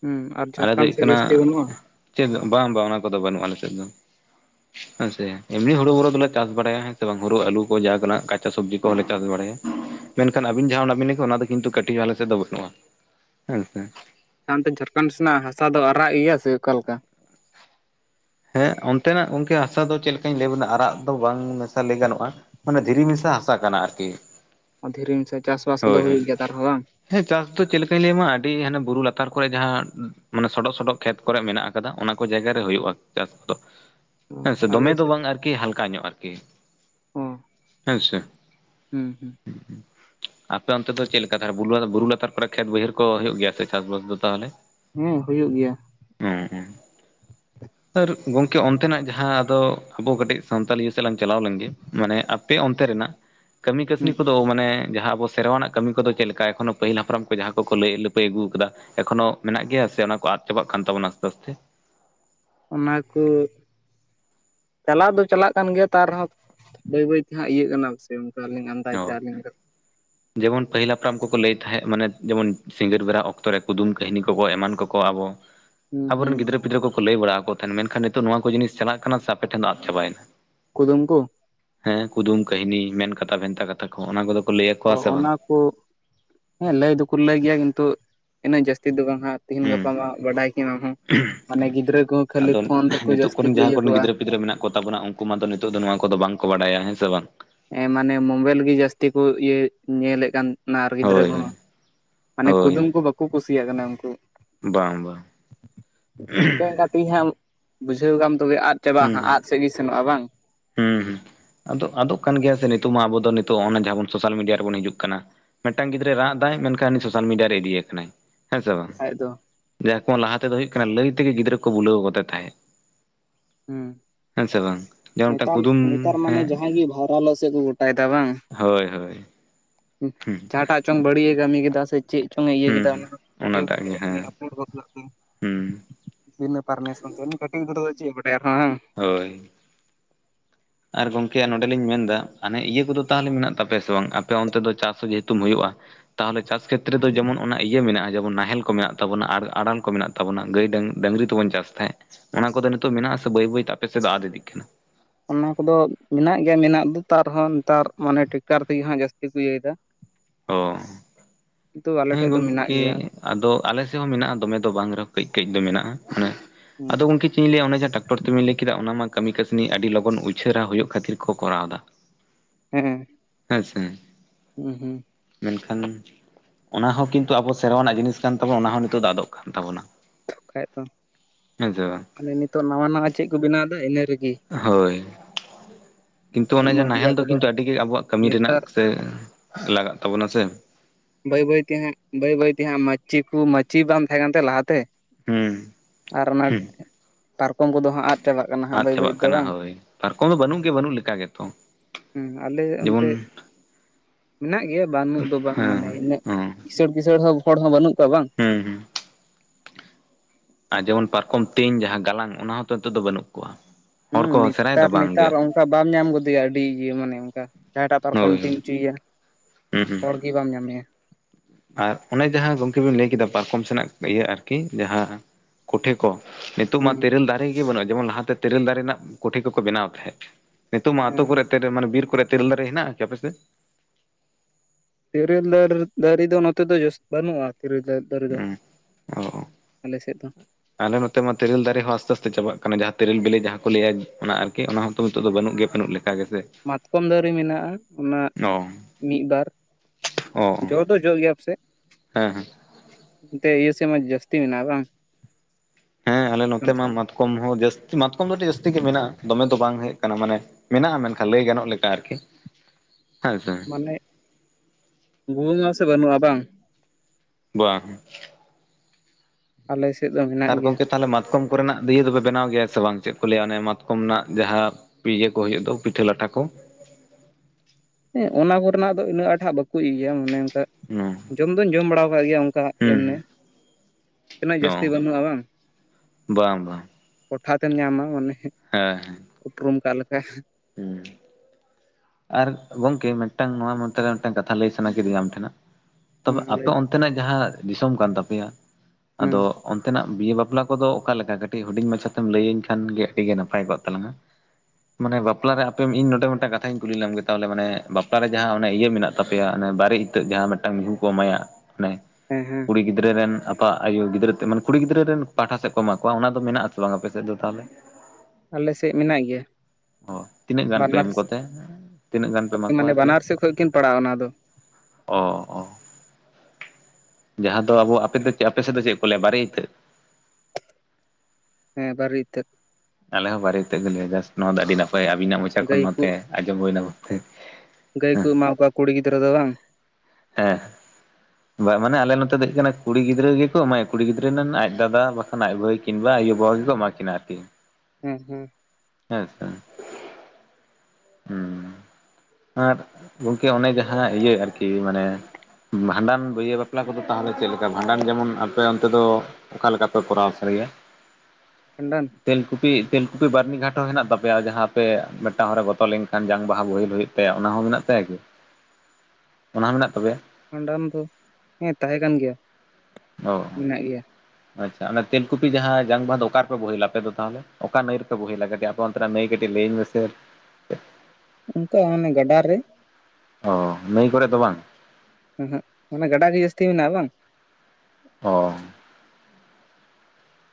ᱦᱩᱸ ᱟᱨ ᱟᱞᱮ ᱫᱚ ᱡᱷᱟᱲᱠᱷᱚᱸᱰ ᱦᱩᱭᱩᱜ ᱥᱮᱫ ᱠᱟᱱᱟ ᱡᱟᱹᱥᱛᱤ ᱵᱟᱹᱱᱩᱜᱼᱟ ᱪᱮᱫ ᱵᱟᱝ ᱵᱟᱝ ᱚᱱᱟ ᱠᱚᱫᱚ ᱵᱟᱹᱱᱩᱜᱼᱟ ᱟᱞᱮ ᱥᱮᱫ ᱫᱚ ᱾ ᱦᱮᱸᱥᱮ ᱮᱢᱱᱤ ᱦᱳᱲᱳ ᱦᱳᱲᱳ ᱫᱚᱞᱮ ᱪᱟᱥ ᱵᱟᱲᱟᱭᱟ ᱦᱮᱸ ᱥᱮ ᱵᱟᱝ ᱦᱳᱲᱳ ᱟᱹᱞᱩ ᱠᱚ ᱡᱟ ᱛᱮᱱᱟᱜ ᱠᱟᱸᱪᱟ ᱥᱚᱵᱽᱡᱤ ᱠᱚᱦᱚᱸᱞᱮ ᱪᱟᱥ ᱵᱟᱲᱟᱭᱟ ᱾ ᱢᱮᱱᱠᱷᱟᱱ ᱟᱹᱵᱤᱱ ᱡᱟᱦᱟᱸ ᱚᱱᱟ ᱵᱤᱱ ᱞᱮ ᱠᱮᱫ ᱚᱱᱟ ᱫᱚ ᱠᱤᱱᱛᱩ ᱠᱟᱹᱴᱤᱡ ᱦᱚᱸ ᱟᱞᱮ ᱥᱮᱫ ᱫᱚ ᱵᱟᱹᱱᱩᱜᱼᱟ ᱦᱮᱸᱥᱮ ᱚᱱᱛᱮ ᱡᱷᱟᱲᱠᱷᱚᱸᱰ ᱥᱮᱱᱟᱜ ᱦᱟᱥᱟ ᱫᱚ ᱟᱨᱟᱜ ᱜᱮᱭᱟ ᱥᱮ ᱚᱠᱟ ᱞᱮᱠᱟ? ᱦᱮᱸ ᱚᱱᱛᱮᱱᱟᱜ ᱜᱚᱢᱠᱮ ᱦᱟᱥᱟ ᱫᱚ ᱪᱮᱫ ᱞᱮᱠᱟᱧ ᱞᱟᱹᱭ ᱟᱹᱵᱤᱱᱟ ᱟᱨᱟᱜ ᱫᱚ ᱵᱟᱝ ᱢᱮᱥᱟ ᱞᱟᱹᱭ ᱜᱟᱱᱚᱜᱼᱟ ᱾ ᱢᱟᱱᱮ ᱫᱷᱤᱨᱤ ᱢᱮᱥᱟ ᱦᱟᱥᱟ ᱠᱟᱱᱟ ᱟᱨᱠᱤ ᱫᱷᱤᱨᱤ ᱢᱮᱥᱟ ᱪᱟᱥᱵᱟᱥ ᱠᱚᱫᱚ ᱦᱳᱭ ᱦᱳᱭ ᱦᱩᱭᱩᱜ ᱜᱮᱭᱟ ᱛᱟᱨᱮᱦᱚᱸ ᱵᱟᱝ ᱦᱮᱸ ᱪᱟᱥ ᱫᱚ ᱪᱮᱫ ᱞᱮᱠᱟᱧ ᱞᱟᱹᱭ ᱟᱢᱟ ᱟᱹᱰᱤ ᱦᱟᱱᱮ ᱵᱩᱨᱩ ᱞᱟᱛᱟᱨ ᱠᱚᱨᱮ ᱡᱟᱦᱟᱸ ᱢᱟᱱᱮ ᱥᱚᱰᱚᱜ ᱥᱚᱰᱚᱜ ᱠᱷᱮᱛ ᱠᱚᱨᱮ ᱢᱮᱱᱟᱜ ᱟᱠᱟᱫᱟ ᱚᱱᱟ ᱠᱚ ᱡᱟᱭᱜᱟ ᱨᱮ ᱦᱳᱭᱳᱜᱼᱟ ᱪᱟᱥ ᱠᱚᱫᱚ ᱦᱮᱸᱥᱮ ᱟᱞᱮ ᱫᱚᱢᱮ ᱫᱚ ᱥᱮᱫ ᱵᱟᱝ ᱟᱨᱠᱤ ᱟᱨᱠᱤ ᱦᱟᱞᱠᱟ ᱧᱚᱜ ᱟᱨᱠᱤ ᱚ ᱦᱮᱸ ᱥᱮ ᱦᱩᱸ ᱦᱩᱸ ᱾ ᱟᱯᱮ ᱚᱱᱛᱮ ᱫᱚ ᱪᱮᱫ ᱞᱮᱠᱟ ᱛᱚ ᱵᱩᱨᱩ ᱞᱟᱛᱟᱨ ᱠᱚᱨᱮ ᱠᱷᱮᱛ ᱵᱟᱹᱭᱦᱟᱹᱲ ᱠᱚ ᱦᱳᱭᱳᱜ ᱜᱮᱭᱟ ᱥᱮ ᱪᱟᱥᱵᱟᱥ ᱫᱚ ᱛᱟᱦᱚᱞᱮ ᱦᱮᱸ ᱦᱩᱭᱩᱜ ᱜᱮᱭᱟ ᱾ ᱦᱩᱸ ᱦᱩᱸ ᱾ ᱟᱨ ᱜᱚᱝᱠᱮ ᱚᱱᱛᱮᱱᱟᱜ ᱡᱟᱦᱟᱸ ᱟᱫᱚ ᱟᱵᱚ ᱠᱟᱹᱴᱤᱡ ᱥᱟᱱᱛᱟᱞᱤᱭᱟᱹ ᱥᱮᱫ ᱞᱟᱝ ᱪᱟᱞᱟᱣ ᱞᱮᱱᱜᱮ ᱢᱟᱱᱮ ᱟᱯᱮ ᱚᱱᱛᱮ ᱨᱮᱱᱟᱜ ᱠᱟᱹᱢᱤ ᱠᱟᱹᱥᱱᱤ ᱦᱩᱸ ᱠᱚᱫᱚ ᱢᱟᱱᱮ ᱡᱟᱦᱟᱸ ᱟᱵᱚ ᱥᱮᱨᱣᱟᱱᱟᱜ ᱠᱟᱹᱢᱤ ᱠᱚᱫᱚ ᱪᱮᱫ ᱞᱮᱠᱟ ᱮᱠᱷᱚᱱᱳ ᱯᱟᱹᱦᱤᱞ ᱦᱟᱯᱲᱟᱢ ᱠᱚ ᱡᱟᱦᱟᱸ ᱠᱚᱠᱚ ᱞᱟᱹᱭ ᱞᱟᱹᱯᱟᱹᱭ ᱟᱹᱜᱩ ᱟᱠᱟᱫᱟ ᱾ ᱮᱠᱷᱚᱱᱚ ᱢᱮᱱᱟᱜ ᱜᱮᱭᱟ ᱥᱮ ᱚᱱᱟ ᱠᱚ ᱟᱫ ᱪᱟᱵᱟᱜ ᱠᱟᱱ ᱛᱟᱵᱚᱱᱟ ᱟᱥᱛᱮ, ᱟᱥᱛᱮ ᱚᱱᱟ ᱠᱚ ᱪᱟᱞᱟᱜ ᱫᱚ ᱪᱟᱞᱟᱜ ᱠᱟᱱ ᱜᱮᱭᱟ ᱛᱟ ᱟᱨᱦᱚᱸ ᱵᱟᱹᱭ ᱵᱟᱹᱭ ᱛᱮᱦᱟᱸᱜ ᱤᱭᱟᱹᱜ ᱠᱟᱱᱟ ᱥᱮ ᱚᱱᱠᱟ ᱞᱤᱧ ᱟᱱᱫᱟᱡᱽ ᱚ ᱮᱫᱟ ᱟᱹᱞᱤᱧ ᱡᱮᱢᱚᱱ ᱯᱟᱹᱦᱤᱞ ᱦᱟᱯᱲᱟᱢ ᱠᱚᱠᱚ ᱞᱟᱹᱭ ᱛᱟᱦᱮᱸᱫ ᱢᱟᱱᱮ ᱡᱮᱢᱚᱱ ᱥᱤᱸᱜᱟᱹᱲ ᱵᱮᱲᱟ ᱚᱠᱛᱚ ᱨᱮ ᱠᱩᱫᱩᱢ ᱠᱟᱹᱦᱱᱤ ᱠᱚ ᱮᱢᱟᱱ ᱠᱚᱠᱚ ᱟᱵᱚ ᱦᱩᱸ ᱟᱵᱚᱨᱮᱱ ᱦᱩᱸ ᱜᱤᱫᱽᱨᱟᱹ ᱯᱤᱫᱽᱨᱟᱹ ᱠᱚ ᱠᱚ ᱞᱟᱹᱭ ᱵᱟᱲᱟ ᱟᱠᱚ ᱛᱟᱦᱮᱸᱱ ᱢᱮᱱᱠᱷᱟᱱ ᱱᱤᱛᱚᱜ ᱱᱚᱣᱟ ᱠᱚ ᱡᱤᱱᱤᱥ ᱪᱟᱞᱟᱜ ᱠᱟᱱᱟ ᱥᱮ ᱟᱯᱮ ᱴᱷᱮᱱ ᱫᱚ ᱟᱫ ᱪᱟᱵᱟᱭᱮᱱᱟ? ᱠᱩᱫᱩᱢ ᱠᱚ ᱦᱮᱸ ᱠᱩᱫᱩᱢ ᱠᱟᱹᱦᱱᱤ ᱢᱮᱱ ᱠᱟᱛᱷᱟ ᱵᱷᱮᱱᱛᱟ ᱠᱟᱛᱷᱟ ᱠᱚ ᱚᱱᱟ ᱠᱚᱫᱚ ᱠᱚ ᱞᱟᱹᱭ ᱚ ᱟᱠᱚᱣᱟ ᱥᱮ ᱵᱟᱝ? ᱚᱱᱟ ᱦᱮᱸ ᱞᱟᱹᱭ ᱫᱚᱠᱚ ᱞᱟᱹᱭ ᱜᱮᱭᱟ ᱠᱤᱱᱛᱩ ᱩᱱᱟᱹᱜ ᱡᱟᱹᱥᱛᱤ ᱫᱚ ᱵᱟᱝ ᱟ ᱛᱮᱸᱦᱮᱧ ᱜᱟᱯᱟ ᱦᱩᱸ ᱢᱟ ᱵᱟᱰᱟᱭ ᱜᱮᱭᱟᱢ ᱟᱢ ᱦᱚᱸ ᱢᱟᱱᱮ ᱜᱤᱫᱽᱨᱟᱹ ᱠᱚᱦᱚᱸ ᱠᱷᱟᱹᱞᱤ ᱟᱫᱚ ᱯᱷᱳᱱ ᱨᱮᱠᱚ ᱱᱤᱛᱚᱜ ᱡᱟᱹᱥᱛᱤ ᱠᱚᱨᱮᱱ ᱠᱚ ᱡᱟᱦᱟᱸ ᱤᱭᱟᱹ ᱠᱚᱨᱮᱱ ᱠᱚᱜᱼᱟ ᱾ ᱜᱤᱫᱽᱨᱟᱹ ᱯᱤᱫᱽᱨᱟᱹ ᱢᱮᱱᱟᱜ ᱛᱟᱵᱚᱱᱟ ᱩᱱᱠᱩ ᱢᱟᱛᱚ ᱱᱤᱛᱚᱜ ᱫᱚ ᱱᱚᱣᱟ ᱠᱚᱫᱚ ᱵᱟᱝᱠᱚ ᱵᱟᱰᱟᱭᱟ ᱦᱮᱸ ᱥᱮ ᱵᱟᱝ ᱦᱮᱸ ᱢᱟᱱᱮ ᱢᱳᱚᱵᱟᱭᱤᱞ ᱜᱮ ᱡᱟᱹᱥᱛᱤ ᱠᱚ ᱤᱭᱟᱹ ᱧᱮᱞᱮᱫ ᱠᱟᱱ ᱟᱨ ᱜᱤᱫᱽᱨᱟᱹ ᱦᱳᱭ ᱦᱳᱭ ᱠᱚᱦᱚᱸ ᱢᱟᱱᱮ ᱦᱳᱭ ᱠᱩᱫᱩᱢ ᱠᱚ ᱵᱟᱠᱚ ᱠᱩᱥᱤᱭᱟᱜ ᱠᱟᱱᱟ ᱩᱱᱠᱩ ᱵᱟᱝ ᱵᱟᱝ ᱤᱱᱠᱟᱹ ᱤᱱᱠᱟ ᱛᱮᱧ ᱦᱟᱸᱜ ᱵᱩᱡᱷᱟᱹᱣ ᱠᱟᱢ ᱛᱚᱵᱮ ᱟᱫ ᱪᱟᱵᱟᱜᱼᱟ ᱟᱸᱜ ᱥᱮᱫ ᱜᱮ ᱥᱮᱱᱚᱜᱼᱟ ᱵᱟᱝ ᱦᱮᱸ ᱦᱸ ᱟᱫᱚ ᱟᱫᱚᱜ ᱠᱟᱱ ᱜᱮᱭᱟ ᱥᱮ ᱱᱤᱛᱚᱜ ᱢᱟ ᱟᱵᱚ ᱫᱚ ᱱᱤᱛ ᱡᱟᱦᱟᱸᱚᱱ ᱥᱳᱥᱟᱞ ᱢᱤᱰᱤᱭᱟ ᱨᱮᱵᱚᱱ ᱦᱤᱡᱩᱜ ᱠᱟᱱᱟ᱾ ᱢᱤᱫᱴᱟᱝ ᱜᱤᱫᱽᱨᱟᱹᱭ ᱨᱟᱜ ᱫᱟᱭ ᱢᱮᱱᱠᱷᱟᱱ ᱩᱱᱤ ᱥᱳᱥᱟᱞ ᱢᱤᱰᱤᱭᱟ ᱨᱮ ᱤᱫᱤᱭᱮ ᱠᱟᱱᱟᱭ ᱦᱮᱸ ᱥᱮ ᱵᱟᱝ ᱠᱷᱟᱡ ᱫᱚ ᱡᱟ ᱞᱟᱦᱟ ᱛᱮᱫᱚ ᱦᱚ ᱦᱩᱭᱩᱜ ᱠᱟᱱᱟ ᱞᱟᱹᱭ ᱛᱮᱜᱮ ᱜᱤᱫᱽᱨᱟᱹ ᱠᱚ ᱵᱩᱞᱟᱹᱣ ᱠᱟ ᱛᱟᱦᱮᱸᱫ ᱦᱩᱸ ᱦᱮᱸ ᱥᱮ ᱵᱟᱝ ᱡᱮᱢᱚᱱ ᱢᱤᱫᱴᱟᱝ ᱱᱮᱛᱟᱨ ᱠᱩᱫᱩᱢ ᱱᱮᱛᱟᱨ ᱢᱟᱱᱮ ᱦᱮᱸ ᱡᱟᱦᱟᱸᱭ ᱜᱮ ᱵᱷᱟᱭᱨᱟᱞᱚᱜ ᱥᱮᱫ ᱠᱚ ᱜᱚᱴᱟᱭ ᱫᱟ ᱵᱟᱝ ᱦᱚᱭ ᱦᱚᱭ ᱡᱟᱦᱟᱸᱴᱟᱜ ᱪᱚᱝ ᱵᱟᱹᱲᱤᱡ ᱮ ᱠᱟᱹᱢᱤ ᱠᱮᱫᱟ ᱥᱮ ᱪᱮᱫ ᱪᱚᱝ ᱮ ᱤᱭᱟᱹ ᱠᱮᱫᱟ ᱦᱩᱸ ᱚᱱᱟ ᱵᱷᱤᱰᱭᱳ ᱚᱱᱟᱴᱟᱜ ᱠᱟᱛᱮ ᱜᱮ ᱦᱮᱸ ᱦᱩᱸ ᱵᱤᱱᱟᱹ ᱯᱟᱨᱢᱮᱥᱚᱱ ᱠᱟᱹᱴᱤᱡ ᱜᱤᱫᱽᱨᱟᱹ ᱫᱚ ᱪᱮᱫ ᱮ ᱵᱟᱰᱟᱭᱟᱦᱚᱸ ᱵᱟᱝ ᱦᱚᱭ ᱟᱨ ᱜᱚᱢᱠᱮ ᱱᱚᱸᱰᱮᱮᱞᱤᱧ ᱢᱮᱱᱫᱟ ᱦᱟᱱᱮ ᱤᱭᱟᱹ ᱠᱚᱫᱚ ᱛᱟᱦᱚᱞᱮ ᱢᱮᱱᱟᱜ ᱛᱟᱯᱮᱭᱟ ᱥᱮ ᱵᱟᱝ ᱟᱯᱮ ᱚᱱᱛᱮ ᱫᱚ ᱪᱟᱥ ᱦᱚᱸ ᱡᱮᱦᱮᱛᱩᱢ ᱦᱩᱭᱩᱜᱼᱟ᱾ ᱛᱟᱦᱚᱞᱮ ᱪᱟᱥ ᱠᱷᱮᱛᱨᱮ ᱫᱚ ᱡᱮᱢᱚᱱ ᱚᱱᱟ ᱤᱭᱟᱹ ᱢᱮᱱᱟᱜᱼᱟ ᱡᱮᱢᱚᱱ ᱱᱟᱦᱮᱞ ᱠᱚ ᱢᱮᱱᱟᱜ ᱛᱟᱵᱚᱱᱟ ᱟᱲᱟᱝ ᱠᱚ ᱢᱮᱱᱟᱜ ᱛᱟᱵᱚᱱᱟ ᱜᱟᱹᱭ ᱰᱟᱹᱝᱨᱤ ᱛᱮᱵᱚᱱ ᱪᱟᱥ ᱛᱟᱦᱮᱸᱫ ᱚᱱᱟ ᱠᱚᱫᱚ ᱱᱤᱛᱚᱜ ᱢᱮᱱᱟᱜ ᱟᱥᱮ ᱵᱟᱹᱭ ᱵᱟᱹᱭᱛᱮ ᱟᱯᱮᱥᱮᱫ ᱫᱚ ᱟᱫ ᱤᱫᱤᱜ ᱠᱟᱱᱟ᱾ ᱚᱱᱟ ᱠᱚᱫᱚ ᱢᱮᱱᱟᱜ ᱜᱮᱭᱟ ᱢᱮᱱᱟᱜ ᱫᱚ ᱛᱟᱨᱦᱚᱸ ᱱᱮᱛᱟᱨ ᱢᱟᱱᱮ ᱴᱮᱠᱴᱟᱨ ᱛᱮᱜᱮ ᱦᱟᱸ ᱡᱟᱹᱥᱛᱤ ᱠᱚ ᱤᱭᱟᱹᱭᱮᱫᱟ᱾ ᱚ ᱠᱤᱱᱛᱩ ᱟᱞᱮ ᱦᱮᱸ ᱴᱷᱮᱡ ᱫᱚ ᱢᱮᱱᱟᱜ ᱜᱚᱢᱠᱮ ᱜᱮᱭᱟ ᱟᱫᱚ ᱟᱞᱮ ᱥᱮᱫ ᱦᱚᱸ ᱢᱮᱱᱟᱜᱼᱟ ᱫᱚᱢᱮ ᱫᱚ ᱵᱟᱝ ᱨᱮᱦᱚᱸ ᱠᱟᱹᱡ ᱠᱟᱹᱡ ᱫᱚ ᱢᱮᱱᱟᱜᱼᱟ ᱦᱩᱸ ᱟᱫᱚ ᱜᱚᱝᱠᱮ ᱪᱮᱫ ᱤᱧ ᱞᱟᱹᱭᱟ ᱚᱱᱟ ᱡᱟᱦᱟᱸ ᱴᱟᱠᱴᱚᱨ ᱛᱟᱢᱤᱧ ᱞᱟᱹᱭ ᱠᱮᱫᱟ ᱚᱱᱟ ᱢᱟ ᱠᱟᱹᱢᱤ ᱠᱟᱹᱥᱱᱤ ᱟᱹᱰᱤ ᱞᱚᱜᱚᱱ ᱩᱪᱟᱹᱨᱟ ᱦᱩᱭᱩᱜ ᱠᱷᱟᱹᱛᱤᱨ ᱠᱚᱨᱟᱣ ᱮᱫᱟ ᱦᱮᱸ ᱦᱮ ᱥᱮ ᱦᱩᱸ ᱦᱩᱸ ᱢᱮᱱᱠᱷᱟᱱ ᱚᱱᱟ ᱦᱚᱸ ᱠᱤᱱᱛᱩ ᱟᱵᱚ ᱥᱮᱨᱣᱟᱱᱟᱜ ᱡᱤᱱᱤᱥ ᱠᱟᱱ ᱛᱟᱵᱚᱱᱟ ᱚᱱᱟᱦᱚᱸ ᱱᱤᱛᱚᱜ ᱟᱫᱚᱜ ᱠᱟᱱ ᱛᱟᱵᱚᱱᱟ᱾ ᱠᱷᱟᱡ ᱫᱚ ᱦᱮᱸ ᱥᱮ ᱵᱟᱝ ᱟᱞᱮ ᱱᱤᱛᱚᱜ ᱱᱟᱣᱟ ᱱᱟᱣᱟ ᱪᱮᱫ ᱠᱚ ᱵᱮᱱᱟᱣ ᱮᱫᱟ ᱤᱱᱟᱹ ᱨᱮᱜᱮ ᱦᱚᱭ ᱠᱤᱱᱛᱩ ᱚᱱᱮ ᱱᱟᱦᱮᱞ ᱢᱟᱨᱮᱭᱟᱜ ᱫᱚ ᱠᱚᱫᱚ ᱠᱤᱱᱛᱩ ᱟᱹᱰᱤ ᱜᱮ ᱟᱵᱚᱣᱟᱜ ᱠᱟᱹᱢᱤ ᱨᱮᱱᱟᱜ ᱱᱮᱛᱟᱨ ᱥᱮ ᱞᱟᱜᱟᱜ ᱛᱟᱵᱚᱱᱟ ᱥᱮ ᱵᱟᱹᱭ ᱵᱟᱹᱭ ᱛᱮ ᱦᱟᱸᱜ ᱵᱟᱹᱭ ᱵᱟᱹᱭ ᱛᱮᱦᱟᱸᱜ ᱢᱟᱹᱪᱤ ᱠᱚ ᱢᱟᱹᱪᱤ ᱵᱟᱝ ᱛᱟᱦᱮᱸ ᱠᱟᱱ ᱛᱮ ᱞᱟᱦᱟᱛᱮ ᱦᱩᱸ ᱟᱨ ᱚᱱᱟ ᱦᱩᱸ ᱯᱟᱨᱠᱚᱢ ᱠᱩᱫᱚ ᱦᱟᱸᱜ ᱟᱫ ᱪᱟᱵᱟᱜ ᱠᱟᱱᱟ ᱦᱟᱸᱜ ᱟᱫ ᱵᱟᱹᱭ ᱪᱟᱵᱟᱜ ᱵᱟᱹᱭᱛᱮ ᱠᱟᱱᱟ ᱵᱟᱝ? ᱦᱳᱭ ᱯᱟᱨᱠᱚᱢ ᱫᱚ ᱵᱟᱹᱱᱩᱜᱮ ᱵᱟᱹᱱᱩᱜ ᱞᱮᱠᱟ ᱜᱮᱛᱚ ᱦᱩᱸ ᱟᱞᱮ ᱚᱱᱛᱮ ᱡᱮᱢᱚᱱ ᱢᱮᱱᱟᱜ ᱜᱮᱭᱟ ᱵᱟᱹᱱᱩᱜ ᱫᱚ ᱵᱟᱝ ᱢᱟᱱᱮ ᱦᱮᱸ ᱤᱱᱟᱹᱜ ᱦᱩᱸ ᱠᱤᱥᱬ ᱠᱤᱥᱬ ᱦᱚᱸ ᱦᱚᱲ ᱦᱚᱸ ᱵᱟᱹᱱᱩᱜ ᱠᱚᱣᱟ ᱵᱟᱝ ᱦᱩᱸ ᱦᱩᱸ ᱟᱨ ᱡᱮᱢᱚᱱ ᱯᱟᱨᱠᱚᱢ ᱛᱤᱧ ᱡᱟᱦᱟᱸ ᱜᱟᱞᱟᱝ ᱚᱱᱟ ᱦᱚᱸᱛᱚ ᱱᱤᱛᱚᱜ ᱫᱚ ᱵᱟᱹᱱᱩᱜ ᱠᱚᱣᱟ᱾ ᱦᱚᱲ ᱦᱩᱸ ᱠᱚ ᱥᱮᱬᱟᱭᱮᱫᱟ ᱱᱮᱛᱟᱨ ᱵᱟᱝᱜᱮ ᱱᱮᱛᱟᱨ ᱚᱱᱠᱟ ᱵᱟᱢ ᱧᱟᱢ ᱜᱚᱫᱮᱭᱟ ᱟᱹᱰᱤ ᱤᱭᱟᱹ ᱢᱟᱱᱮ ᱚᱱᱠᱟ ᱾ ᱡᱟᱦᱟᱸᱭᱴᱟᱜ ᱯᱟᱨᱠᱚᱢ ᱦᱳᱭ ᱛᱤᱧ ᱩᱪᱚᱭᱟ ᱦᱩᱸ ᱦᱩᱸ ᱦᱚᱲᱜᱮ ᱵᱟᱢ ᱧᱟᱢᱮᱭᱟ᱾ ᱟᱨ ᱚᱱᱮ ᱡᱟᱦᱟᱸ ᱜᱚᱢᱠᱮ ᱵᱤᱱ ᱞᱟᱹᱭ ᱠᱮᱫᱟ ᱯᱟᱨᱠᱚᱢᱥᱮᱱᱟᱜ ᱤᱭᱟᱹ ᱟᱨᱠᱤ ᱡᱟᱦᱟᱸ ᱠᱩᱴᱷᱮ ᱠᱚ ᱱᱤᱛ ᱱᱤᱛᱚᱜ ᱢᱟ ᱦᱩᱸ ᱛᱮᱨᱮᱞ ᱫᱟᱨᱮ ᱜᱮ ᱵᱟᱹᱱᱩᱜᱼᱟ ᱡᱮᱢᱚᱱ ᱞᱟᱦᱟᱛᱮ ᱛᱮᱨᱮᱞ ᱫᱟᱨᱮ ᱨᱮᱱᱟᱜ ᱠᱩᱴᱷᱮ ᱠᱚᱠᱚ ᱵᱮᱱᱟᱣ ᱛᱟᱦᱮᱸᱫ ᱱᱤᱛᱚᱜ ᱢᱟ ᱟᱛᱩ ᱦᱮᱸ ᱠᱚᱨᱮ ᱛᱮᱨᱮᱞ ᱢᱟᱱᱮ ᱵᱤᱨ ᱠᱚᱨᱮ ᱛᱮᱨᱮᱞ ᱫᱟᱨᱮ ᱦᱮᱱᱟᱜ-ᱟ ᱠᱮ ᱟᱯᱮᱥᱮ ᱛᱤᱨᱤᱞ ᱫᱟᱨ ᱫᱟᱨᱮ ᱫᱚ ᱱᱚᱛᱮ ᱫᱚ ᱡᱟᱹᱥᱛᱤ ᱵᱟᱹᱱᱩᱜ-ᱟ ᱛᱤᱨᱤᱞ ᱫᱟᱨᱮ ᱫᱚ ᱦᱩᱸ ᱚ ᱟᱞᱮᱥᱮᱫ ᱫᱚ ᱟᱞᱮ ᱱᱚᱛᱮ ᱢᱟ ᱛᱮᱤᱨᱞ ᱫᱟᱨᱮ ᱦᱚᱸ ᱟᱥᱛᱮ ᱟᱥᱛᱮ ᱪᱟᱵᱟᱜ ᱠᱟᱱᱟ ᱡᱟᱦᱟᱸ ᱛᱤᱨᱤᱞ ᱵᱤᱞᱤ ᱡᱟᱦᱟᱸ ᱠᱚ ᱞᱟᱹᱭᱟ ᱚᱱᱟ ᱟᱨᱠᱤ ᱚᱱᱟᱦᱚ ᱱᱤᱛᱚᱜ ᱫᱚ ᱵᱟᱹᱱᱩᱜ ᱜᱮᱭᱟ ᱵᱟᱹᱱᱩᱜ ᱞᱮ ᱠᱟᱜ ᱜᱮ ᱥᱮ ᱢᱟᱛᱠᱚᱢ ᱫᱟᱨᱮ ᱢᱮᱱᱟᱜ-ᱟ ᱚᱱᱟ ᱢᱤᱫ ᱵᱟᱨ ᱚ ᱡᱚ ᱫᱚ ᱡᱚᱜ ᱜᱮᱭᱟ ᱯᱟᱥᱮ ᱦᱮᱸ ᱦᱮᱸ ᱮᱱᱛᱮ ᱤᱭᱟᱹ ᱥᱮ ᱢᱟ ᱡᱟᱹᱥᱛᱤ ᱢᱮᱱᱟᱜ-ᱟ ᱵᱟᱝ ᱦᱮᱸ ᱟᱞᱮ ᱱᱚᱛᱮ ᱢᱟ ᱢᱟᱛᱠᱚᱢ ᱦᱚᱸ ᱡᱟᱹᱥᱛᱤ ᱢᱟᱛᱠᱚᱢ ᱫᱚ ᱟᱹᱰᱤ ᱡᱟᱹᱥᱛᱤ ᱜᱮ ᱢᱮᱱᱟᱜ-ᱟ ᱫᱚᱢᱮ ᱫᱚ ᱵᱟᱝ ᱦᱮᱡ ᱠᱟᱱᱟ ᱢᱟᱱᱮ ᱢᱮᱱᱟᱜ-ᱟ ᱢᱮᱱᱠᱷᱟᱱ ᱞᱟᱹᱭ ᱜᱟᱱᱚᱜ ᱞᱮᱠᱟ ᱟᱨᱠᱤ ᱦᱮᱸ ᱥᱮ [inaudible] ᱥᱮ ᱵᱟᱹᱱᱩᱜ-ᱟ ᱵᱟᱝ ᱵᱟᱝ ᱟᱞᱮ ᱥᱮᱫ ᱫᱚ ᱢᱮᱱᱟᱜ ᱟᱨ ᱜᱮᱭᱟ ᱜᱚᱢᱠᱮ ᱛᱟᱦᱚᱞᱮ ᱢᱟᱛᱠᱚᱢ ᱠᱚᱨᱮᱱᱟᱜ ᱫᱤᱦᱮ ᱫᱚᱯᱮ ᱵᱮᱱᱟᱣ ᱜᱮᱭᱟ ᱥᱮ ᱵᱟᱝ ᱪᱮᱫ ᱠᱚ ᱞᱟᱹᱭᱟ ᱚᱱᱮ ᱢᱟᱛᱠᱚᱢ ᱨᱮᱱᱟᱜ ᱡᱟᱦᱟᱸ ᱯᱮ ᱤᱭᱟᱹ ᱠᱩ ᱦᱩᱭᱩᱜ ᱫᱚ ᱯᱤᱴᱷᱟᱹ ᱞᱟᱴᱷᱟ ᱠᱚ ᱦᱮᱸ ᱚᱱᱟ ᱠᱚᱨᱮᱱᱟᱜ ᱫᱚ ᱤᱱᱟᱹᱜ ᱟᱴ ᱦᱟᱜ ᱵᱟᱠᱚ ᱤᱭᱟᱹ ᱜᱮᱭᱟ ᱢᱟᱱᱮ ᱚᱱᱠᱟ ᱦᱩᱸ ᱡᱚᱢ ᱫᱚᱧ ᱡᱚᱢ ᱵᱟᱲᱟ ᱟᱠᱟᱜ ᱜᱤᱭᱟ ᱠᱟ ᱦᱩᱸ ᱮᱢᱱᱮ ᱦᱩᱸ ᱤᱱᱟᱹᱜ ᱡᱟᱹᱥᱛᱤ ᱚ ᱵᱟᱹᱱᱩᱜᱼᱟ ᱵᱟᱝ ᱵᱟᱝ ᱵᱟᱝ ᱴᱚᱴᱷᱟ ᱛᱮᱢ ᱧᱟᱢᱟ ᱢᱟᱱᱮ ᱦᱮᱸ ᱩᱯᱨᱩᱢ ᱠᱟᱜ ᱞᱮᱠᱟ ᱦᱩᱸ ᱟᱨ ᱜᱚᱝᱠᱮ ᱢᱤᱫᱴᱟᱝ ᱱᱚᱣᱟ ᱢᱚᱫᱽᱫᱷᱮᱨᱮ ᱢᱤᱫᱴᱟᱝ ᱠᱟᱛᱷᱟ ᱞᱟᱹᱭ ᱥᱟᱱᱟ ᱠᱤᱫᱤᱧᱟ ᱟᱢ ᱴᱷᱮᱱᱟ ᱛᱚᱵᱮ ᱢᱟ ᱟᱯᱮ ᱞᱟᱹᱭ ᱚᱱᱛᱮ ᱚᱱᱛᱮᱱᱟᱜ ᱡᱟᱦᱟᱸ ᱫᱤᱥᱚᱢ ᱠᱟᱱ ᱛᱟᱯᱮᱭᱟ ᱦᱮᱸ ᱟᱫᱚ ᱚᱱᱛᱮᱱᱟᱜ ᱵᱤᱭᱟᱹ ᱵᱟᱯᱞᱟ ᱠᱚᱫᱚ ᱚᱠᱟ ᱞᱮᱠᱟ ᱠᱟᱹᱴᱤᱡ ᱦᱩᱰᱤᱧ ᱢᱟᱪᱷᱟᱛᱮᱢ ᱞᱟᱹᱭᱟᱹᱧ ᱠᱷᱟᱱ ᱜᱮ ᱟᱹᱰᱤᱜᱮ ᱱᱟᱯᱟᱭ ᱠᱚᱜ ᱛᱟᱞᱟᱝᱟ᱾ ᱢᱟᱱᱮ ᱵᱟᱯᱞᱟ ᱨᱮ ᱟᱯᱮ ᱤᱧ ᱱᱚᱰᱮ ᱢᱤᱫᱴᱟᱝ ᱠᱟᱛᱷᱟ ᱠᱟᱛᱷᱟᱧ ᱠᱩᱞᱤ ᱞᱮᱢᱜᱮ ᱛᱟᱦᱚᱞᱮ ᱢᱟᱱᱮ ᱵᱟᱯᱞᱟ ᱨᱮ ᱡᱟᱦᱟᱸ ᱚᱱᱮ ᱤᱭᱟᱹ ᱢᱮᱱᱟᱜ ᱛᱟᱯᱮᱭᱟ ᱚᱱᱮ ᱵᱟᱨᱮ ᱤᱛᱟᱹᱛ ᱡᱟᱦᱟᱸ ᱢᱤᱫᱴᱟᱝ ᱢᱤᱦᱩ ᱠᱚ ᱮᱢᱟᱭᱟ ᱦ [inaudible] ᱦᱮᱸ ᱦᱮᱸ ᱠᱩᱲᱤ ᱜᱤᱫᱽᱨᱟᱹ ᱨᱮᱱ ᱟᱯᱚ ᱟᱭᱩ ᱜᱤᱫᱽᱨᱟᱹ ᱛᱮ ᱢᱟᱱᱮ ᱠᱩᱲᱤ ᱜᱤᱫᱽᱨᱟᱹ ᱨᱮᱱ ᱯᱟᱦᱴᱟ ᱥᱮᱫ ᱠᱚ ᱮᱢᱟ ᱠᱚᱣᱟ ᱚᱱᱟ ᱫᱚ ᱢᱮᱱᱟᱜ-ᱟ ᱟᱥᱮ ᱵᱟᱝ ᱟᱯᱮᱥᱮᱫ ᱫᱚ ᱛᱟᱦᱚᱞᱮ ᱟᱞᱮ ᱥᱮᱫ ᱢᱮᱱᱟᱜ ᱜᱮᱭᱟ ᱚ ᱛᱤᱱᱟᱹᱜ ᱜᱟᱱ ᱯᱮ ᱵᱟᱱᱟᱨ ᱮᱢ ᱠᱚᱛᱮ ᱛᱤᱱᱟᱹᱜ ᱜᱟᱱ ᱯᱮ ᱮᱢᱟ ᱠᱚᱣᱟ ᱢᱟᱱᱮ ᱟᱨᱠᱤ? ᱵᱟᱱᱟᱨ ᱥᱮᱫ ᱠᱷᱚᱡ ᱠᱤᱱ ᱯᱟᱲᱟᱣᱱᱟ ᱟᱫᱚ, ᱚ ᱚ ᱡᱟᱦᱟᱸ ᱫᱚ ᱟᱵᱚ ᱟᱯᱮ ᱫᱚ ᱟᱯᱮ ᱥᱮᱫ ᱫᱚ ᱪᱮᱫ ᱠᱚ ᱞᱟᱹᱭᱟ ᱵᱟᱨᱮ ᱤᱛᱟᱹᱛ ᱦᱮᱸ ᱵᱟᱨᱮ ᱤᱛᱟᱹᱛ ᱟᱞᱮ ᱦᱚᱸ ᱵᱟᱨᱮ ᱤᱛᱟᱹᱛ ᱜᱮᱞᱮᱭᱫᱟ ᱱᱚᱣᱟ ᱫᱚ ᱟᱹᱰᱤ ᱱᱟᱯᱟᱭ ᱟᱵᱤᱱᱟᱜ ᱢᱚᱪᱷᱟ ᱠᱷᱚᱱ ᱜᱟᱹᱭ ᱠᱚ ᱱᱚᱛᱮ ᱟᱸᱡᱚᱢ ᱦᱩᱭᱱᱟ ᱜᱟᱹᱭ ᱠᱩ ᱮᱢᱟ ᱠᱚᱣᱟ ᱠᱩᱲᱤ ᱜᱤᱫᱽᱨᱟᱹ ᱫᱚ ᱵᱟᱝ ᱦᱮᱸ ᱢᱟᱱᱮ ᱟᱞᱮ ᱱᱚᱛᱮ ᱫᱚ ᱦᱩᱭᱩᱜ ᱠᱟᱱᱟ ᱠᱩᱲᱤ ᱜᱤᱫᱽᱨᱟᱹ ᱜᱮᱠᱚ ᱮᱢᱟᱭᱟ ᱠᱩᱲᱤ ᱜᱤᱫᱽᱨᱟᱹ ᱨᱮᱱ ᱟᱡ ᱫᱟᱫᱟ ᱵᱟ ᱵᱷᱟᱹᱭ ᱠᱤᱱᱵᱟ ᱠᱚ ᱮᱢᱟᱠᱤᱱᱟᱹ ᱟᱨᱠᱤ ᱦᱩᱸ ᱦᱩᱸ ᱦᱮᱸ ᱥᱮ ᱦᱮᱸ ᱟᱨ ᱜᱚᱝᱠᱮ ᱚᱱᱮ ᱡᱟᱦᱟᱸ ᱤᱭᱟᱹ ᱟᱨᱠᱤ ᱢᱟᱱᱮ ᱵᱷᱟᱸᱰᱟᱱ ᱵᱤᱦᱟ ᱵᱟᱯᱞᱟ ᱠᱚᱫᱚ ᱛᱟᱦᱚᱞᱮ ᱪᱮᱫ ᱞᱮᱠᱟ ᱵᱷᱟᱸᱰᱟᱱ ᱡᱮᱢᱚᱱ ᱟᱯᱮ ᱚᱱᱛᱮ ᱫᱚ ᱚᱠᱟ ᱞᱮ ᱠᱟᱯᱮ ᱠᱚᱨᱟᱣ ᱥᱟᱹᱨᱭᱟ ᱵᱷᱟᱸᱰᱟᱱ ᱛᱮᱞᱠᱩᱯᱤ ᱛᱮᱞᱠᱩᱯᱤ ᱵᱟᱹᱨᱱᱤ ᱜᱷᱟᱴ ᱦᱚᱸ ᱦᱮᱱᱟᱜ ᱛᱟᱯᱮᱭᱟ ᱡᱟᱦᱟᱸ ᱟᱯᱮ ᱢᱤᱫᱴᱟᱝ ᱞᱮᱱᱠᱷᱟᱱ ᱡᱟᱝ ᱵᱟᱦᱟ ᱵᱳᱦᱮᱞ ᱦᱩᱭᱩᱜ ᱛᱟᱭᱟ ᱚᱱᱟ ᱦᱚᱸ ᱢᱮᱱᱟᱜ ᱛᱟᱭᱟ ᱠᱤ ᱚᱱᱟ ᱦᱚᱸ ᱢᱮᱱᱟᱜ ᱛᱟᱯᱮᱭᱟ ᱵᱷᱟᱸᱰᱟᱱ ᱫᱚ ᱦᱮᱸ ᱛᱟᱦᱮᱸ ᱠᱟᱱ ᱜᱮᱭᱟ ᱦᱚ ᱢᱮᱱᱟᱜ ᱜᱮᱭᱟ ᱟᱪᱪᱷᱟ ᱚᱱᱟ ᱛᱮᱞᱠᱩᱯᱤ ᱡᱟᱦᱟᱸ ᱡᱟᱝ ᱵᱟᱦᱟ ᱫᱚ ᱚᱠᱟ ᱨᱮᱯᱮ ᱵᱳᱦᱮᱞᱟ ᱟᱯᱮ ᱫᱚ ᱛᱟᱦᱚᱞᱮ ᱚᱠᱟ ᱱᱟᱹᱭ ᱨᱮᱯᱮ ᱵᱳᱦᱮᱞᱟ ᱠᱟᱴᱤᱡ ᱚᱱᱛᱮ ᱟᱜ ᱱᱟᱹᱭ ᱠᱟᱹᱴᱤ ᱞᱟᱹᱭ ᱤᱧ ᱢᱮᱥᱮ ᱚᱱᱠᱟ ᱚᱱᱮ ᱜᱟᱰᱟ ᱨᱮ ᱚ ᱱᱟᱹᱭ ᱠᱚᱨᱮ ᱫᱚ ᱵᱟᱝ ᱟᱸ ᱦᱟᱹᱜ ᱢᱟᱱᱮ ᱜᱟᱰᱟᱜ ᱜᱮ ᱡᱟᱹᱥᱛᱤ ᱢᱮᱱᱟᱜᱼᱟ ᱵᱟᱝ ᱦᱚ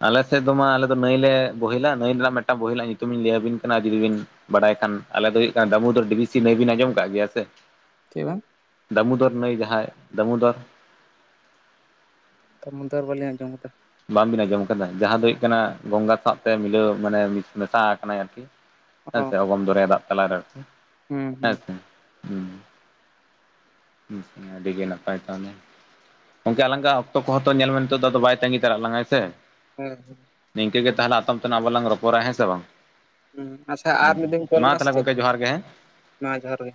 ᱟᱞᱮᱥᱮᱫ ᱫᱚ ᱢᱟ ᱟᱞᱮ ᱫᱚ ᱱᱟᱹᱭᱞ ᱞᱮ ᱵᱚᱦᱮᱞᱟ ᱱᱟᱹᱭ ᱨᱮᱱᱟᱜ ᱢᱤᱫᱴᱟᱝ ᱵᱚᱦᱤᱞᱟᱜ ᱧᱩᱛᱩᱢᱤᱧ ᱞᱟᱹᱭᱟᱵᱤᱱ ᱠᱟᱱᱟ ᱡᱩᱫᱤ ᱵᱤᱱ ᱵᱟᱲᱟᱭ ᱠᱷᱟᱱ ᱟᱞᱮ ᱫᱚ ᱦᱩᱭᱩᱜ ᱠᱟᱱᱟ ᱫᱟᱹᱢᱩᱫᱚᱨ ᱰᱤᱵᱤ ᱥᱤ ᱱᱟᱭ ᱵᱤᱱ ᱟᱱᱡᱚᱢ ᱠᱟᱜ ᱜᱮᱭᱟ ᱥᱮ ᱪᱮᱫ ᱵᱟᱝ ᱫᱟᱢᱳᱫᱚᱨ ᱱᱟᱭ ᱡᱟᱦᱟᱸᱭ ᱫᱟᱢᱳᱫᱚᱨ ᱫᱟᱢᱳᱫᱚᱨ ᱵᱟᱞᱤᱧ ᱟᱸᱡᱚᱢ ᱟᱠᱟᱫᱟ᱾ ᱵᱟᱵᱤᱱ ᱟᱸᱡᱚᱢ ᱟᱠᱟᱫᱟ? ᱡᱟᱦᱟᱸ ᱫᱚ ᱦᱩᱭᱩᱜ ᱠᱟᱱᱟ ᱜᱚᱝᱜᱟ ᱥᱟᱶᱛᱮ ᱢᱤᱞᱟᱹᱣ ᱢᱟᱱᱮ ᱢᱮᱥᱟ ᱟᱠᱟᱱᱟᱭ ᱟᱨᱠᱤ᱾ ᱦᱮᱸ ᱚ ᱥᱮ ᱚᱜᱚᱢ ᱫᱚᱨᱭᱟ ᱫᱟᱜ ᱛᱟᱞᱟ ᱨᱮ ᱟᱨᱠᱤ ᱦᱩᱸ ᱦᱩᱸ ᱦᱮᱸᱥᱮ᱾ [inaudible] ᱦᱮ ᱟᱹᱰᱤ ᱜᱮ ᱱᱟᱯᱟᱭ ᱛᱟᱦᱚᱞᱮ᱾ ᱜᱚᱝᱠᱮ ᱟᱞᱟᱝ ᱟᱜ ᱚᱠᱛᱚ ᱠᱚᱦᱚᱸ ᱛᱚ ᱧᱮᱞ ᱢᱮ ᱱᱤᱛᱚᱜ ᱫᱚ ᱟᱫᱚ ᱵᱟᱭ ᱛᱟᱹᱜᱤ ᱛᱟᱲᱟᱜ ᱞᱟᱝᱟ ᱦᱮ ᱥᱮ᱾ ᱦᱮᱸ᱾ ᱱᱤᱝᱠᱟᱹ ᱜᱮ ᱛᱟᱦᱞᱮ ᱟᱛᱚᱢ ᱛᱮᱱᱟᱜ ᱞᱟᱝ ᱨᱚᱯᱚᱲᱟ ᱦᱮᱸ ᱥᱮ ᱵᱟᱝ? ᱦᱮ ᱟᱪᱪᱷᱟ ᱟᱨ ᱢᱤᱫ ᱫᱚᱢ ᱤᱧ ᱠᱚᱞ ᱢᱟ ᱥᱮ ᱛᱟᱦᱚᱞᱮ ᱪᱮᱫ? ᱜᱚᱝᱠᱮ ᱡᱚᱦᱟᱨ ᱜᱮ ᱦᱮᱸ ᱢᱟ ᱡᱚᱦᱟᱨ ᱜᱮ᱾